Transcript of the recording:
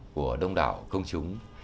của đông đảo công chúng